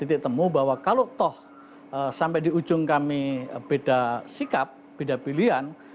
saya ingin mengucapkan kepada kamu bahwa kalau toh sampai di ujung kami beda sikap beda pilihan